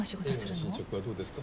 映画の進捗はどうですか？